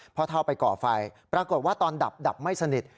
เท่าไปก่อไฟปรากฏว่าตอนดับดับไม่สนิท